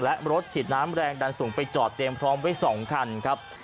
และรถฉีดน้ำแรงดันสูงไปจอดเตรียมพร้อมไว้๒คันครับ